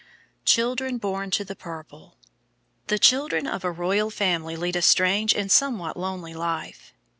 CHAPTER II. CHILDREN BORN TO THE PURPLE. The children of a royal family lead a strange and somewhat lonely life.